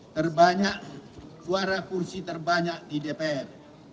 terbanyak suara kursi terbanyak di dpr